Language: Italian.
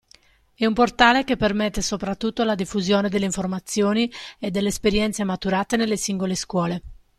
È un portale che permette soprattutto la diffusione delle informazioni e delle esperienze maturate nelle singole scuole.